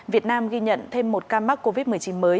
việt nam ghi nhận thêm một ca mắc covid một mươi chín mới